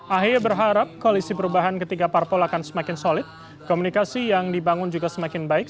ahy berharap koalisi perubahan ketiga parpol akan semakin solid komunikasi yang dibangun juga semakin baik